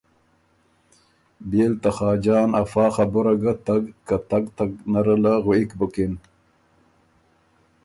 بيې ل ته خاجان افا خبُره ګه تک، که تګ تګ نره له غوېک بُکِن